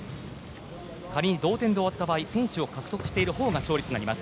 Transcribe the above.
仮に同点で終わった場合先取を獲得しているほうが勝利となります。